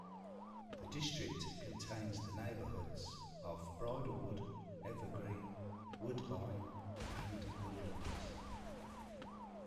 The district contains the neighbourhoods of Bridlewood, Evergreen, Woodbine, and Woodlands.